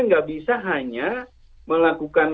tidak bisa hanya melakukan